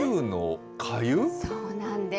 そうなんです。